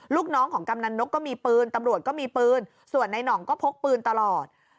ลูกน้องของกำนันนกก็มีปืนตำรวจก็มีปืนส่วนในหน่องก็พกปืนตลอด